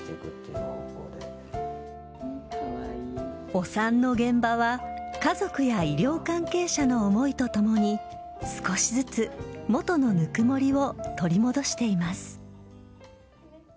お産の現場は家族や医療関係者の思いとともに少しずつ元のぬくもりを取り戻しています。